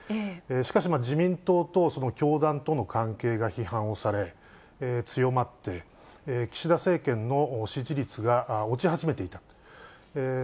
しかし、自民党と教団との関係が批判をされ、強まって、岸田政権の支持率が落ち始めていた。